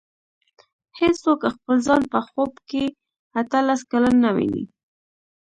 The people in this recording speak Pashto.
هېڅوک خپل ځان په خوب کې اته لس کلن نه ویني.